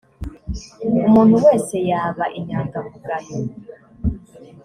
umuntu wese yaba inyangamugayo